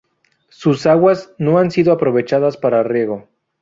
Sus aguas no han sido aprovechadas para riego.